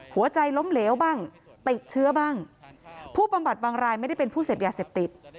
หัวใจล้มเหลวบ้างติดเชื้อบ้างผู้บำบัดบางรายไม่ได้เป็นผู้เสพยาเสพติด